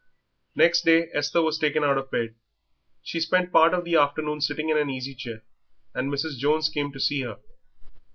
Next day Esther was taken out of bed. She spent part of the afternoon sitting in an easy chair, and Mrs. Jones came to see her.